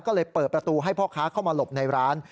ก็เลยเปิดประตูให้พ่อค้าเข้ามาหลบในร้าน